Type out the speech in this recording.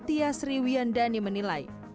tia sriwian dhani menilai